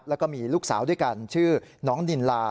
แล้วก็มีลูกสาวด้วยกันชื่อน้องนินลา